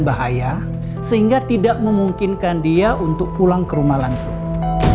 bahaya sehingga tidak memungkinkan dia untuk pulang ke rumah langsung